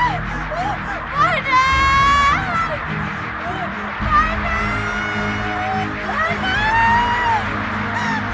kita harus panggil mama ben cepatnya